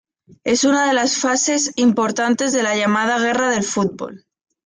Es una de las fases importantes en la llamada guerra del fútbol.